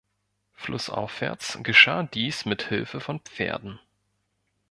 Flussaufwärts geschah dies mit Hilfe von Pferden.